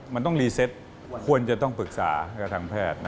มันต้องรีเซตควรจะต้องปรึกษากับทางแพทย์